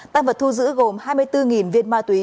tăng vật thu giữ gồm hai mươi bốn viên ma túy